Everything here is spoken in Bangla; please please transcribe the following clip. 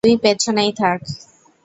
তুই পেছনেই থাক!